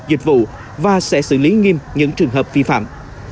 dịch vụ và sẽ xử lý nghiêm những trường hợp vi phạm